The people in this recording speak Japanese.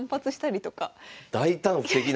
大胆不敵な。